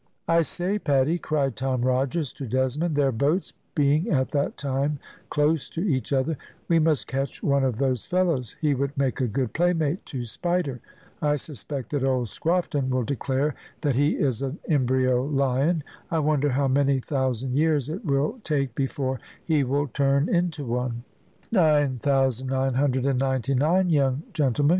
"I say, Paddy," cried Tom Rogers to Desmond, their boats being at that time close to each other, "we must catch one of those fellows; he would make a good playmate to Spider. I suspect that old Scrofton will declare that he is embryo lion. I wonder how many thousand years it will take before he will turn into one?" "Nine thousand nine hundred and ninety nine, young gentlemen!"